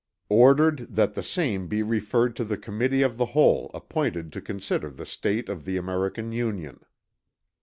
"Ordered that the same be referred to the Committee of the Whole appointed to consider the state of the American Union."